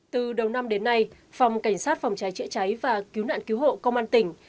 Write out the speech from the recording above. từ đầu năm đến nay phòng cảnh sát phòng cháy chữa cháy và cứu nạn cứu hộ công an tỉnh